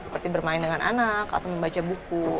seperti bermain dengan anak atau membaca buku